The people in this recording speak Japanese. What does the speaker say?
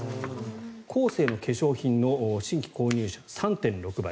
コーセーの化粧品の新規購入者３．６倍